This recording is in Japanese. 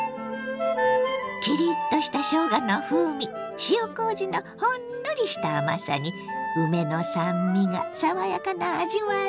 キリッとしたしょうがの風味塩こうじのほんのりした甘さに梅の酸味が爽やかな味わい。